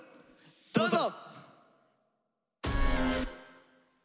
どうぞ！